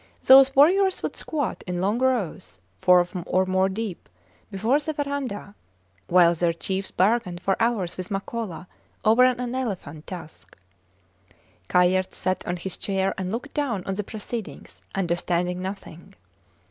Those warriors would squat in long rows, four or more deep, before the verandah, while their chiefs bargained for hours with Makola over an elephant tusk. Kayerts sat on his chair and looked down on the proceedings, understanding nothing.